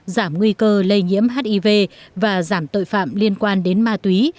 giảm nguy cơ lây nhiễm hiv và giảm tội phạm liên quan đến ma túy